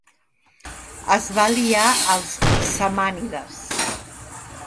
Es va aliar als samànides.